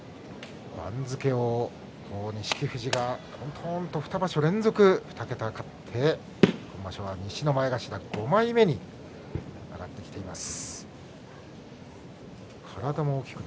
番付を、錦富士がとんとんと２場所連続２桁勝って今場所は西の前頭５枚目に上がってきています。